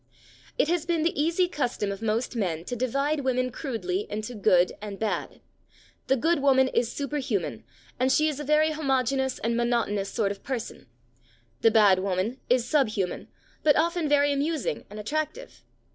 It has been the easy custom of most men to divide women crudely into good and bad. The good woman is superhuman, and she is a very homogeneous and monotonous sort of person; the bad woman is subhuman, but often very amusing and attractive.